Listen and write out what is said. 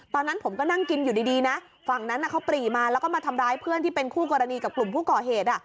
ตอนนั้นผมก็นั่งกินอยู่ดีนะฝั่งนั้นเขาปรีมาแล้วก็มาทำร้ายเพื่อนที่เป็นคู่กรณีกับกลุ่มผู้ก่อเหตุ